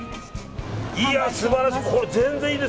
いや、素晴らしい。